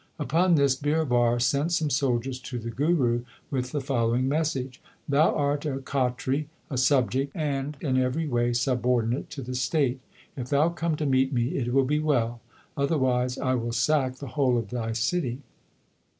J Upon this Birbar sent some soldiers to the Guru with the following message : Thou art a Khatri, a subject, and in every way sub ordinate to the state. If thou come to meet me, it will be well ; otherwise I will sack the whole of thy city.